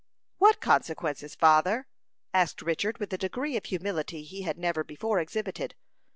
"What consequences, father?" asked Richard, with a degree of humility he had never before exhibited.